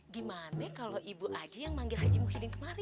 gimana kalau ibu haji yang manggil haji muhyiddin kemari